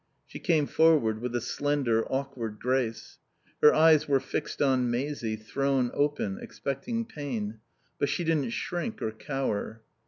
She came forward with a slender, awkward grace. Her eyes were fixed on Maisie, thrown open, expecting pain; but she didn't shrink or cower.